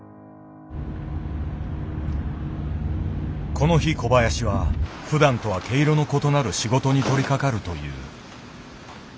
この日小林はふだんとは毛色の異なる仕事に取りかかるという。